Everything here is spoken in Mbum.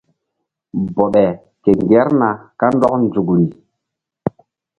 Bɔɓe ke ŋgerna kandɔk nzukri.